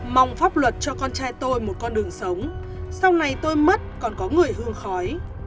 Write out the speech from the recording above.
mong pháp luật cho con trai tôi một con đường sống sau này tôi mất còn có người hương khói